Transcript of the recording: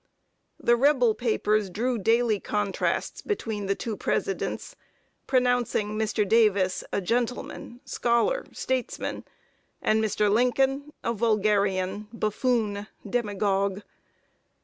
The Rebel papers drew daily contrasts between the two Presidents, pronouncing Mr. Davis a gentleman, scholar, statesman; and Mr. Lincoln a vulgarian, buffoon, demagogue.